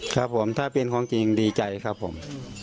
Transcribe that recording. ครับผมถ้าเป็นของจริงดีใจครับผม